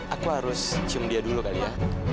aku harus cium dia dulu kali ya